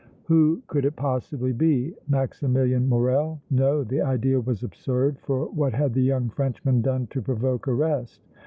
Who could it possibly be? Maximilian Morrel? No, the idea was absurd, for what had the young Frenchman done to provoke arrest?